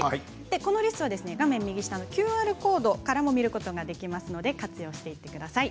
このリストは画面右下のＱＲコードからも見ることができますので活用してください。